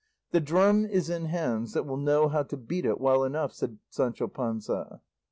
'" "The drum is in hands that will know how to beat it well enough," said Sancho Panza.